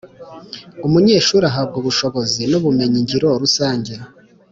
umunyeshuri ahabwa ubushobozi n’ubumenyi ngiro rusange